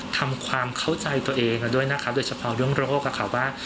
ทำความเข้าใจตัวเองมาด้วยนะคะโดยเฉพาะเรื่องโรคค่ะว่า